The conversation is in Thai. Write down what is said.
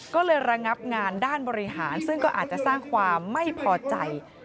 ก็เลยระงับงานด้านบริหารซึ่งก็อาจจะสร้างความไม่พอใจ